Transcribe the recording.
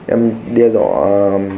em đe dọa